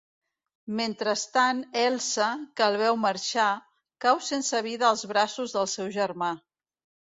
Mentrestant Elsa, que el veu marxar, cau sense vida als braços del seu germà.